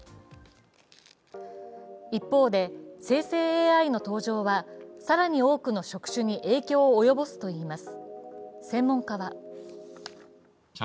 一方で生成ＡＩの登場は更に多くの職種に影響を及ぼすといいます。